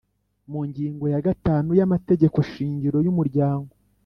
mu ngingo ya gatanu y amategeko shingiro y umuryango